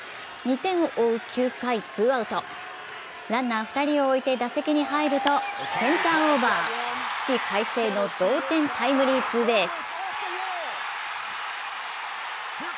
２点を追う９回、ツーアウト、ランナー２人を置いて打席に入るとセンターオーバー起死回生の同点タイムリーツーベース。